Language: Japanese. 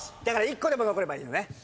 だから１個でも残ればいいのね。